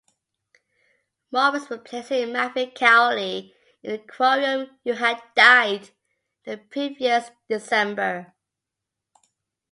Morris replacing Matthew Cowley in the Quorum, who had died the previous December.